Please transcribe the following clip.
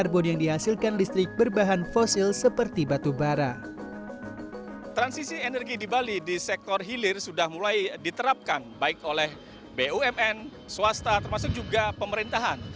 baik oleh bumn swasta termasuk juga pemerintahan